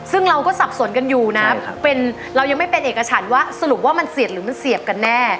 ซึ่งเราก็สับสนกันอยู่นะเรายังไม่เป็นเอกฉันว่าสรุปว่ามันเสียดหรือมันเสียบกันแน่